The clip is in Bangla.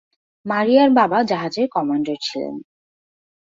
মারিয়ার বাবা জাহাজের কমান্ডার ছিলেন।